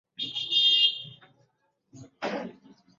এছাড়া আয়ের প্রধান উৎস যন্ত্রাংশ উৎপাদন।